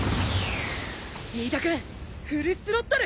飯田君フルスロットル！